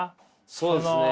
そうですね。